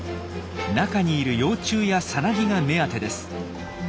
中にいる幼虫やさなぎが目当てです。